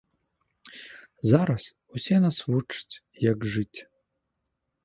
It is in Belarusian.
Зараз усе нас вучаць, як жыць.